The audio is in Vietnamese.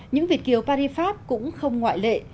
những việt kiều paris pháp cũng không ngoại lệ